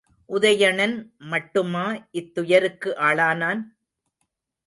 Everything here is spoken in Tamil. உதயணன் மட்டுமா இத் துயருக்கு ஆளானான்?